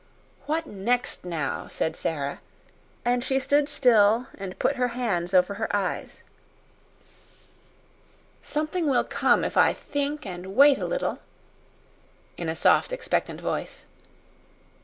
"What next, now?" said Sara, and she stood still and put her hands over her eyes. "Something will come if I think and wait a little" in a soft, expectant voice.